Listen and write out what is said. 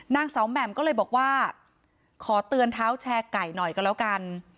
นางสาวแหม่มก็เลยบอกว่าขอเตือนเท้าแชร์ไก่หน่อยก็แล้วกัน